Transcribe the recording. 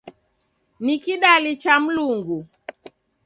Ni kidali cha Mlungu.